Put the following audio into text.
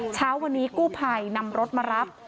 เช้าวันนี้กู้ภัยนำรถมารับ